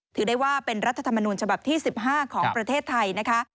ถือได้ว่าเป็นรัฐธรรมนูญฉบับที่๑๕ของประเทศไทยนะคะ